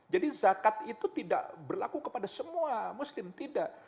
jadi zakat itu tidak berlaku kepada semua muslim tidak